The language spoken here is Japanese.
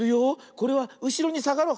これはうしろにさがろう。